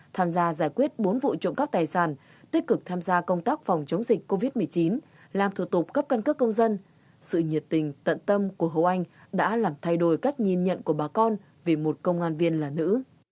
tham gia giải quyết bốn vụ trộm cắp tài sản tích cực tham gia công tác phòng chống dịch covid một mươi chín làm thủ tục cấp căn cước công dân sự nhiệt tình tận tâm của hấu anh đã làm thay đổi cách nhìn nhận của bà con vì một công an viên là nữ